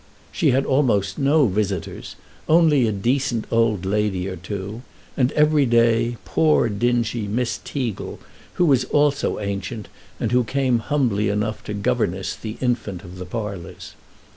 She had almost no visitors, only a decent old lady or two, and, every day, poor dingy Miss Teagle, who was also ancient and who came humbly enough to governess the infant of the parlours.